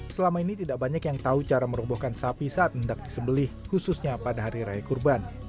selama ini tidak banyak yang tahu cara merobohkan sapi saat mendak disembelih khususnya pada hari raya kurban